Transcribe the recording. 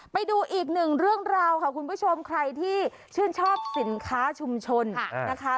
ไปดูอีกหนึ่งเรื่องราวค่ะคุณผู้ชมใครที่ชื่นชอบสินค้าชุมชนนะคะ